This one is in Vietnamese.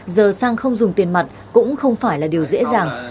giờ sang không dùng tiền mặt cũng không phải là điều dễ dàng